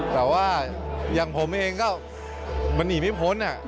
แต่ว่าอย่างผมเองก็มันหนีไม่พ้น